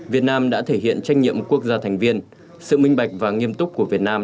việt nam đã thể hiện trách nhiệm quốc gia thành viên sự minh bạch và nghiêm túc của việt nam